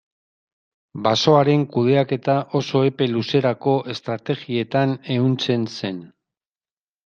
Basoaren kudeaketa oso epe luzerako estrategietan ehuntzen zen.